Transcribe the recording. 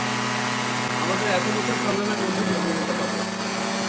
আমাদের এত বছরের সংগ্রাম এর মধ্য দিয়ে পূর্ণতা পাবে।